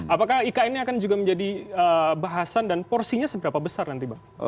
apakah ikn ini akan juga menjadi bahasan dan porsinya seberapa besar nanti bang